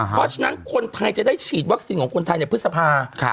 เพราะฉะนั้นคนไทยจะได้ฉีดวัคซีนของคนไทยในพฤษภา